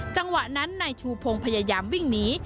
จังหวะนั้นนายชูพงศ์พยายามวิ่งหนี